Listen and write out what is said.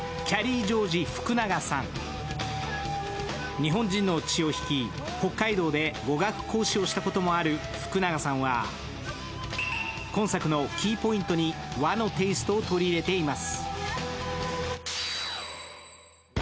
日本人の血を引き、北海道で語学講師もしたことがあるフクナガさんは今作のキーポイントに和のテイストを取り入れています。